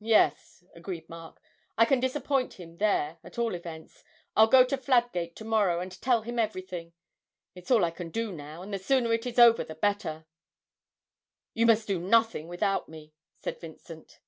'Yes,' agreed Mark, 'I can disappoint him there, at all events. I'll go to Fladgate to morrow, and tell him everything it's all I can do now, and the sooner it is over the better!' 'You must do nothing without me!' said Vincent.